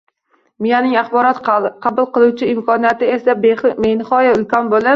Miyaning axborot qabul qilish imkoniyati esa benihoya ulkan bo‘lib